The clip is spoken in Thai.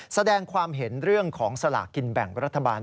แสดงความเห็นเรื่องของสลากกินแบ่งรัฐบาล